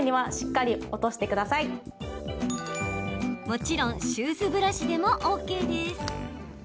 もちろんシューズブラシでもＯＫです。